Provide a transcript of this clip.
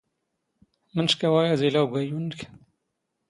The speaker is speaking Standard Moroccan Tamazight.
ⵎⵏⵛⴽ ⴰⵡⴰ ⴰⴷ ⵉⵍⴰ ⵓⴳⴰⵢⵢⵓ ⵏⵏⴽ.